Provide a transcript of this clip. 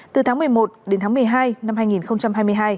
từ tháng một mươi một đến tháng một mươi hai năm hai nghìn hai mươi hai